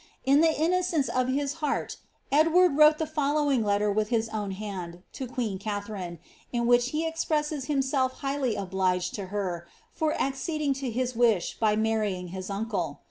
In ihe innocence of his heart Edward wrote the following letter with his owi hand to queen Katharine, in which he expresses himself bi^ly obli|cd to her for acceding to his wish by marrying his uncle.